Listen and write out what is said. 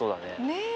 ねえ。